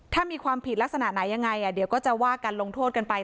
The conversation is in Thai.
ถ้ามีความผิดลักษณะไหนยังไงเดี๋ยวก็จะว่ากันลงโทษกันไป